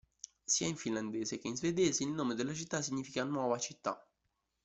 Sia in finlandese che in svedese il nome della città significa "nuova città".